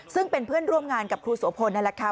ซึ่งเป็นเพื่อนร่วมงานกับครูโสพลนั่นแหละค่ะ